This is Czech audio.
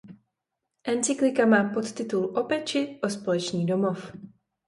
Encyklika má podtitul "„O péči o společný domov“".